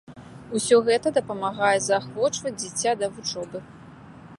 Усё гэта дапамагае заахвочваць дзіця да вучобы.